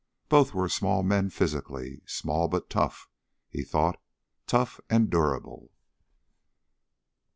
Both were small men physically. Small but tough, he thought. Tough and durable.